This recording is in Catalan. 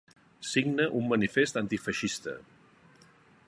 Signa un manifest antifeixista.